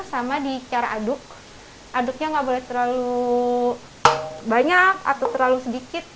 sama di cara aduk aduknya nggak boleh terlalu banyak atau terlalu sedikit